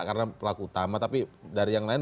karena pelaku utama tapi dari yang lain